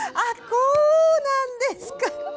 こうなんですか。